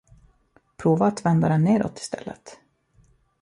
Prova att vända den nedåt istället?